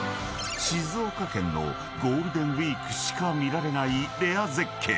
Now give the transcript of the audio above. ［静岡県のゴールデンウイークしか見られないレア絶景］